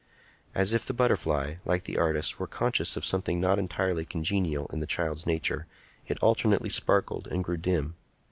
As if the butterfly, like the artist, were conscious of something not entirely congenial in the child's nature, it alternately sparkled and grew dim.